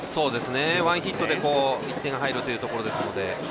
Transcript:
ワンヒットで１点入るというところですので。